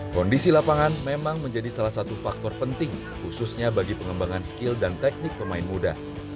kondisi lapangan memang menjadi salah satu faktor penting khususnya bagi pengembangan skill dan teknik pemain muda